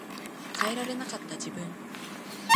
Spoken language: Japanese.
変えられなかった自分